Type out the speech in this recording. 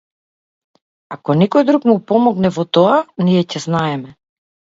Ако некој друг му помогне во тоа, ние ќе знаеме.